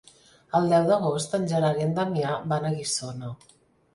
El deu d'agost en Gerard i en Damià van a Guissona.